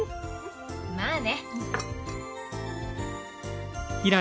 まあね。